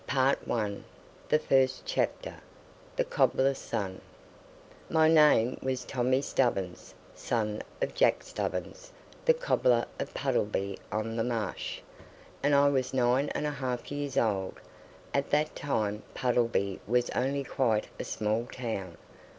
PART I THE FIRST CHAPTER THE COBBLER'S SON MY name was Tommy Stubbins, son of Jacob Stubbins, the cobbler of Puddleby on the Marsh; and I was nine and a half years old. At that time Puddleby was only quite a small town.